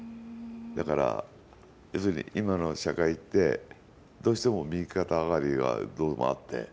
だから、要するに今の社会ってどうしても右肩上がりがどうもあって。